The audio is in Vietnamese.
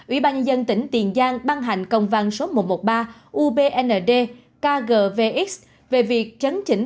ủy ban dân tỉnh tiền giang ban hành công văn số một trăm một mươi ba ubnd kgvx về việc chấn chỉnh